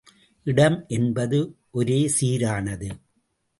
இடம் என்பது ஒரே சீரானது.